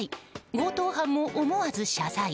強盗犯も思わず謝罪。